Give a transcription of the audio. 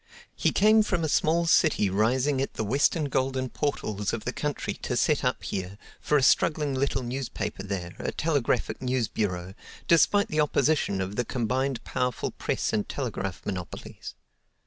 He came from a small city rising at the eastern golden portals of the country to set up here, for a struggling little newspaper there, a telegraphic news bureau, despite the opposition of the combined powerful press and telegraph monopolies.